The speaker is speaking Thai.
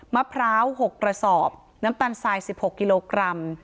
มะพร้าว๖กระสอบน้ำตาลทราย๑๖กิโลกรัม